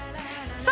◆さあ